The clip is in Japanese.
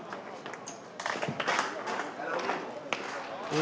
お！